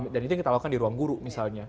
dan itu yang kita lakukan di ruang guru misalnya